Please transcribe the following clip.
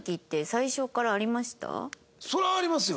そりゃありますよ。